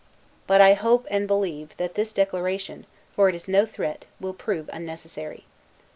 But I hope and believe, that this declaration (for it is no threat) will prove unnecessary.